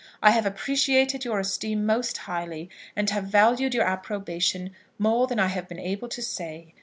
I have appreciated your esteem most highly, and have valued your approbation more than I have been able to say.